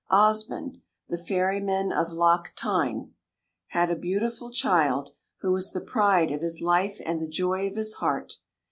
Osmund, the ferryman of Loch Tyne, had a beautiful child, who was the pride of his life and the joy of his heart.